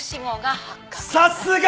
さすが！